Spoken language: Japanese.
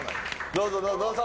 どうぞどうぞ。